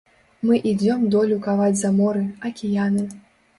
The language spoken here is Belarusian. Мы ідзём долю каваць за моры, акіяны.